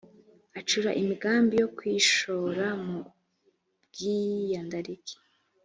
acura imigambi yo kwishora mu bwiyandarike